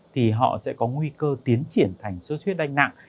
thì họ sẽ có nguy cơ tiến triển thành suốt huyết đanh nặng